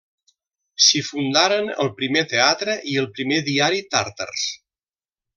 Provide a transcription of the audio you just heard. S'hi fundaren el primer teatre i el primer diari tàtars.